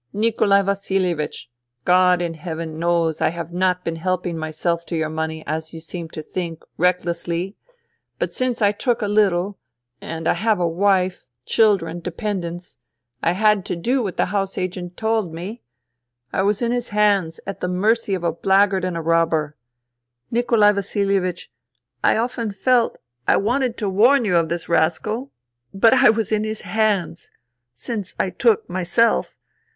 " Nikolai Vasilievich ! God in Heaven knows I have not been helping myself to your money, as you seem to think, recklessly. But since I took a little — and I have a wife, children, dependents — I had to do what the house agent told me. I was in his hands, at the mercy of a blackguard and a robber. Nikolai Vasilievich : I often felt I wanted to warn you of this rascal. But I was in his hands ... since I took myself.